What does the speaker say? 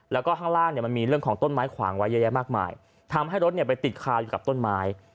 แล้วก็ข้างล่างเนี่ยมันมีเรื่องของต้นไม้ขวางไว้เยอะแยะมากมายทำให้รถเนี่ยไปติดคาอยู่กับต้นไม้